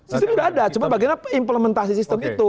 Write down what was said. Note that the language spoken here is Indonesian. sistem itu udah ada cuma bagaimana implementasi sistem itu